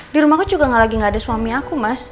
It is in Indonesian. di rumahku juga gak lagi gak ada suami aku mas